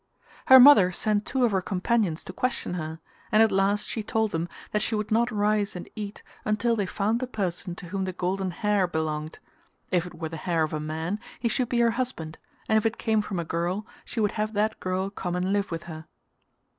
Her mother sent two of her companions to question her, and at last she told them that she would not rise and eat until they found the person to whom the golden hair belonged; if it were the hair of a man he should be her husband and if it came from a girl she would have that girl come and live with her.